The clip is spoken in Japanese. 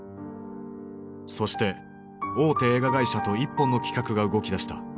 そして大手映画会社と一本の企画が動きだした。